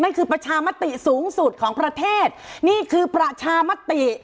คือประชามติสูงสุดของประเทศนี่คือประชามติ